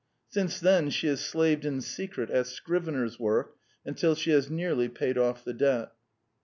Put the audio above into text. Since then she has slaved in secret at scrivener's work until she has nearly paid off the debt.